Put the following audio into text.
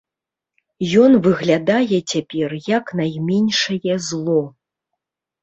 Ён выглядае цяпер як найменшае зло.